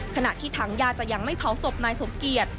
ขณะที่ทางญาติจะยังไม่เผาศพนายสมเกียจ